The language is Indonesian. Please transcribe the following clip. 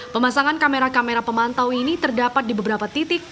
pemasangan kamera kamera pemantau ini terdapat di beberapa titik